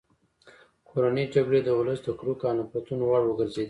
کورنۍ جګړې د ولس د کرکو او نفرتونو وړ وګرځېدې.